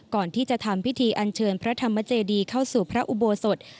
ก่อนที่จะทำพิธีอันเชิญพระธรรมเจดีเข้าสู่พระอุโบสถ